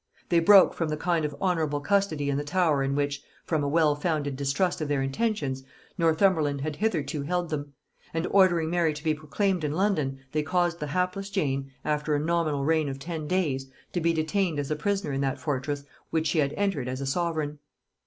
They broke from the kind of honorable custody in the Tower in which, from a well founded distrust of their intentions, Northumberland had hitherto held them; and ordering Mary to be proclaimed in London, they caused the hapless Jane, after a nominal reign of ten days, to be detained as a prisoner in that fortress which she had entered as a sovereign.